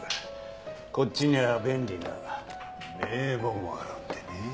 こっちには便利な名簿もあるんでね。